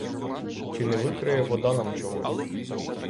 Чи не викриє вода нам чогось?